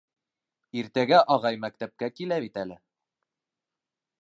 «Иртәгә ағай мәктәпкә килә бит әле».